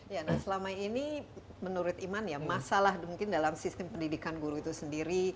ya nah selama ini menurut iman ya masalah mungkin dalam sistem pendidikan guru itu sendiri